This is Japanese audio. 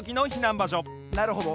なるほど。